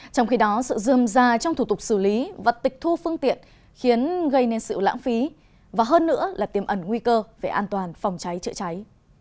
trong khi đó sự dươm ra trong thủ tục xử lý và tịch thu phương tiện khiến gây nên sự lãng phí và hơn nữa là tiềm ẩn nguy cơ về an toàn phòng cháy chữa cháy